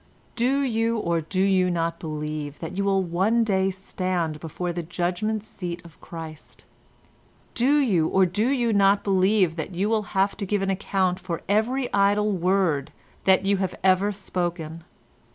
"Do you, or do you not believe that you will one day stand before the Judgement Seat of Christ? Do you, or do you not believe that you will have to give an account for every idle word that you have ever spoken?